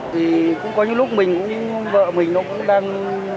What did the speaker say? thì cũng có những lúc mình cũng vợ mình nó cũng đang